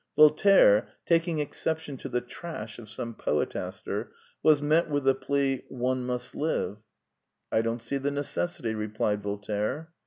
Voltaire, taking exception to the trash of some poetaster, was met with the plea " One must live." " I don't see the necessity," replied Voltaire.